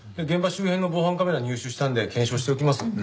現場周辺の防犯カメラを入手したので検証しておきます。